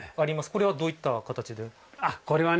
これはどういった形ですか。